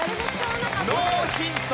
ノーヒント！